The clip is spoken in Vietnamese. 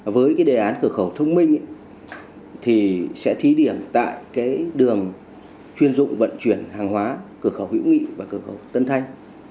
với cái đề án cửa khẩu thông minh thì sẽ thí điểm tại đường chuyên dụng vận chuyển hàng hóa cửa khẩu hữu nghị và cửa khẩu tân thanh